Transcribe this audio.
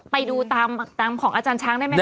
ไปดูตามของอาจารย์ช้างได้ไหมค